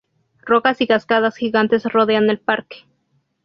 Rocas y cascadas gigantes rodean el parque.